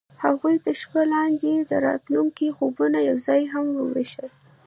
هغوی د شپه لاندې د راتلونکي خوبونه یوځای هم وویشل.